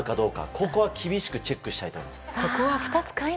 ここは厳しくチェックしたいと思います。